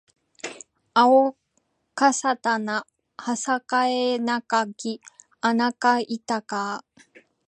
あおかさたなはさかえなかきあなかいたかあ